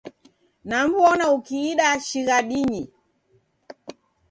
Nam'mbona ukiida shighadinyi.